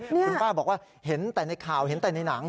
คุณป้าบอกว่าเห็นแต่ในข่าวเห็นแต่ในหนัง